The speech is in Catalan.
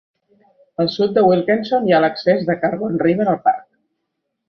Al sud de Wilkeson hi ha l"accés de Carbon River al parc.